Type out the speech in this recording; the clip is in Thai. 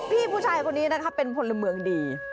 พี่ผู้ชายคนนี้นะครับเป็นผลเมืองดี